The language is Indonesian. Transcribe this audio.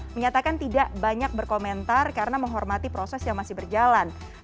menyatakan tidak banyak berkomentar karena menghormati proses yang masih berjalan